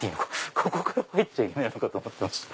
ここから入っちゃいけないのかと思ってました。